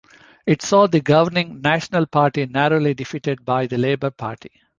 It saw the governing National Party narrowly defeated by the Labour Party.